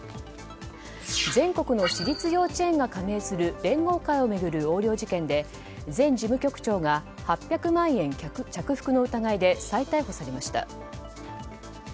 全国の私立幼稚園が加盟する連合会を巡る横領で前事務局長が８００万円着服の疑いで再逮捕されました。